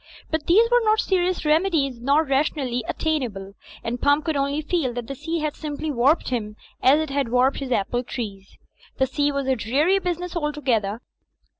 But these were not serious remedies nor ra tionally attainable; and Pump could only feel that the sea had simply warped him as it had warped his apple trees. The sea was a dreary business altogether.